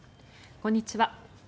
こんにちは。